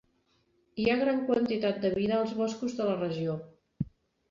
Hi ha gran quantitat de vida als boscos de la regió.